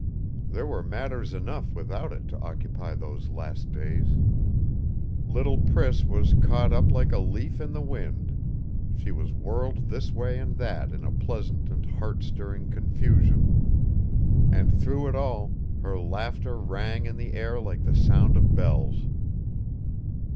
There were matters enough, without it, to occupy those last days. Little Priss was caught up like a leaf in the wind; she was whirled this way and that in a pleasant and heart stirring confusion. And through it all, her laughter rang in the air like the sound of bells.